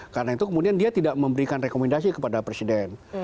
karena itu kemudian dia tidak memberikan rekomendasi kepada presiden